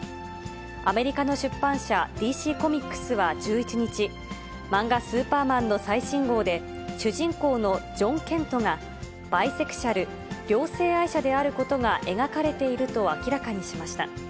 アメリカの出版社、ＤＣコミックスは１１日、漫画、スーパーマンの最新号で、主人公のジョン・ケントが、バイセクシャル・両性愛者であることが描かれていると明らかにしました。